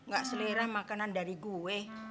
gak selera makanan dari gue